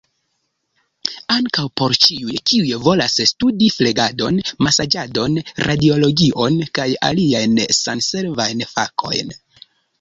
Ankaŭ por ĉiuj kiuj volas studi flegadon, masaĝadon, radiologion, kaj aliajn sanservajn fakojn.